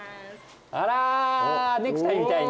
あらネクタイみたいに。